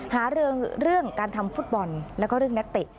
เรื่องเรื่องการทำฟุตบอลแล้วก็เรื่องนักเตะ